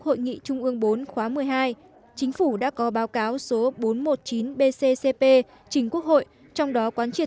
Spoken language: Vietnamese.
hội nghị trung ương bốn khóa một mươi hai chính phủ đã có báo cáo số bốn trăm một mươi chín bccp trình quốc hội trong đó quán triệt